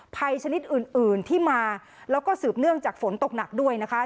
ชนิดอื่นที่มาแล้วก็สืบเนื่องจากฝนตกหนักด้วยนะคะ